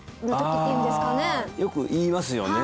よく言いますよね